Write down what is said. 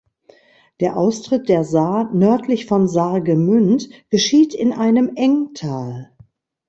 Der Austritt der Saar nördlich von Saargemünd geschieht in einem Engtal.